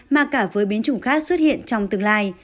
mà cả với biến chủng khác xuất hiện trong tương lai